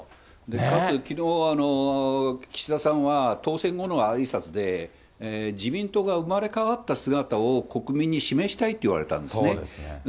かつ、きのう岸田さんは当選後のあいさつで、自民党が生まれ変わった姿を国民に示したいって言われたんですね。